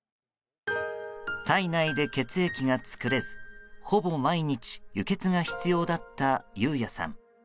体内で血液が作れずほぼ毎日、輸血が必要だった雄也さん。